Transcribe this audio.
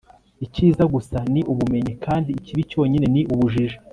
icyiza gusa ni ubumenyi, kandi ikibi cyonyine ni ubujiji